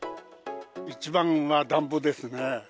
一番は暖房ですね。